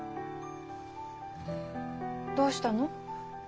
どうしたの？